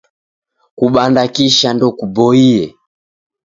Kubanda kisha ndokuboie.